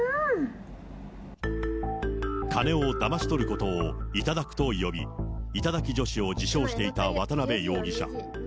金をだまし取ることを頂くと呼び、頂き女子を自称していた渡辺容疑者。